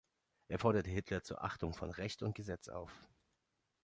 Er forderte Hitler zur Achtung von Recht und Gesetz auf.